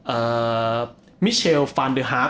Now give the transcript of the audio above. เอ่อมิเชลฟานเดอร์ฮาร์ก